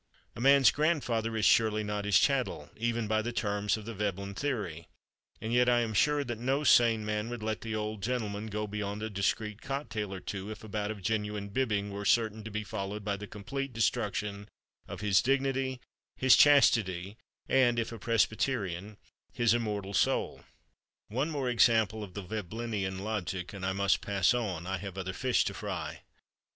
A man's grandfather is surely not his chattel, even by the terms of the Veblen theory, and yet I am sure that no sane man would let the old gentleman go beyond a discreet cocktail or two if a bout of genuine bibbing were certain to be followed by the complete destruction of his dignity, his chastity and (if a Presbyterian) his immortal soul.... One more example of the Veblenian logic and I must pass on: I have other fish to fry.